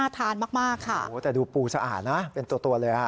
แต่ดูปูสะอาดนะเป็นตัวเลยฮะ